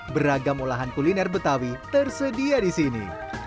beragam olahan kuliner betawi tersedia di sini